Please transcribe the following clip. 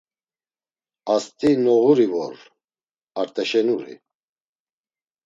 Ast̆i noğuri vor; Art̆aşenuri.